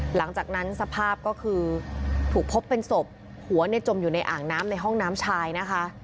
หลังจากนั้นสภาพก็คือถูกพบเป็นศพหัวในจมอยู่ในอ่างน้ำในห้องน้ำชายนะคะ